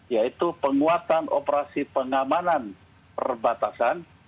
yaitu penguatan operasi pengamanan perbatasan